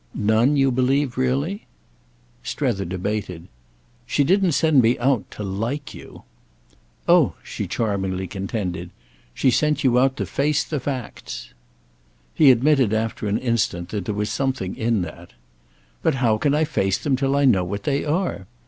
"None, you believe, really?" Strether debated. "She didn't send me out to 'like' you." "Oh," she charmingly contended, "she sent you out to face the facts." He admitted after an instant that there was something in that. "But how can I face them till I know what they are?